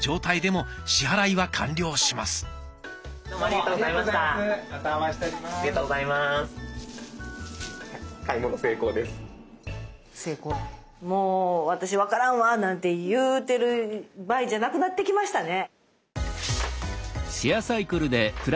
もう私分からんわなんて言うてる場合じゃなくなってきましたね。